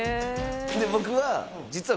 で僕は実は。